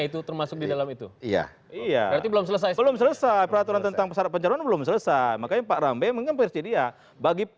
itu termasuk di dalam itu iya iya belum selesai peraturan tentang pesawat pencarian belum selesai